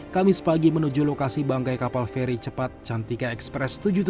kamis pagi menuju lokasi bangkai kapal feri cepat cantika ekspres tujuh puluh delapan